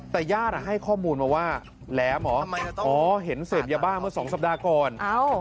แต่ญาติให้ข้อมูลมาว่าแหลมหมออ๋อเห็นเสพยาบ้าเมื่อ๒สัปดาห์ก่อน